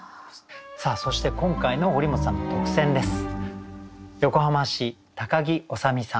さあそして今回の堀本さんの特選です。